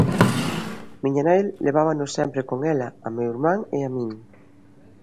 Miña nai levábanos sempre con ela a meu irmán e a min.